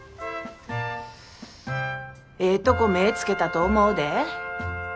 ええとこ目ぇつけたと思うで。